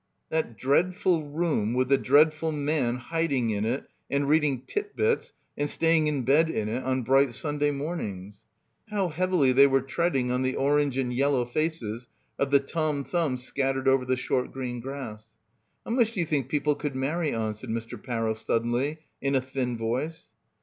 That dreadful room with the dreadful man hiding in it and reading "Tit Bits" and staying in bed in it on bright Sunday mornings. How heavily they were treading on the orange and yellow faces of the Tom Thumbs scattered over the short green grass. "How much do you think people could marry on?" said Mr. Parrow suddenly in a thin voice.